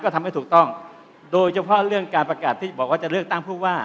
ก็ทำให้ถูกต้องโดยเฉพาะเรื่องการประกาศที่บอกว่าจะเลือกตั้งผู้ว่า